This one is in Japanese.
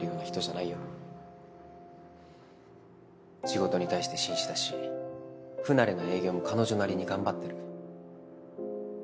仕事に対して真摯だし不慣れな営業も彼女なりに頑張ってる。